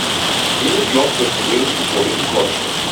Jedes Loch führt zum lebensbedrohlichen „Kurzschluss“.